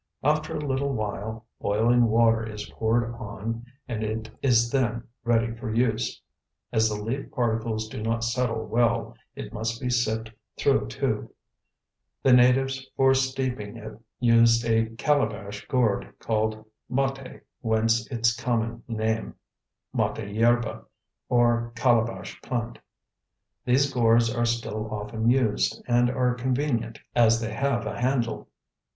After a little while boiling water is poured on and it is then ready for use. As the leaf particles do not settle well, it must be sipped through a tube. The natives for steeping it used a calabash gourd called mate, whence its common name, mate yerba, or calabash plant. These gourds are still often used, and are convenient, as they have a handle.